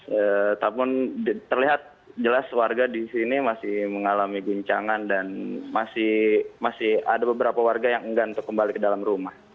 ya tapi terlihat jelas warga di sini masih mengalami guncangan dan masih ada beberapa warga yang enggan untuk kembali ke dalam rumah